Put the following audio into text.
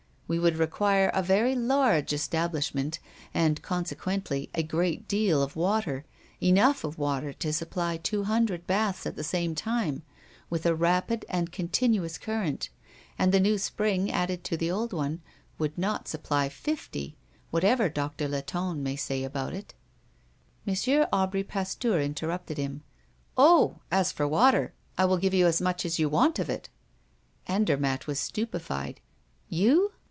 We would require a very large establishment, and consequently a great deal of water, enough of water to supply two hundred baths at the same time, with a rapid and continuous current; and the new spring added to the old one, would not supply fifty, whatever Doctor Latonne may say about it " M. Aubry Pasteur interrupted him. "Oh! as for water, I will give you as much as you want of it." Andermatt was stupefied. "You?"